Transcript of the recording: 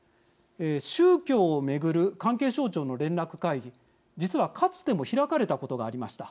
宗教を巡る関係省庁の連絡会議実は、かつても開かれたことがありました。